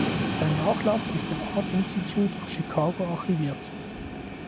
Sein Nachlass ist im Art Institute of Chicago archiviert.